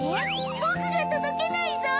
ぼくがとどけないぞ！